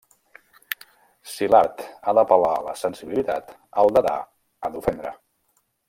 Si l'art ha d'apel·lar a la sensibilitat, el dadà ha d'ofendre.